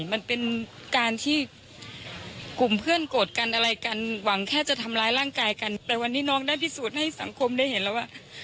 มันเป็นการที่กลุ่มเพื่อนโกรธกันอะไรกันหวังแค่จะทำร้ายร่างกายกันแต่วันนี้น้องได้พิสูจน์ให้สังคมได้เห็นแล้วว่า